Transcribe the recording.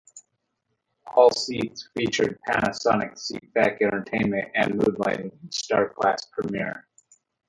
All seats featured Panasonic seat back entertainment and mood lighting in Star Class Premier.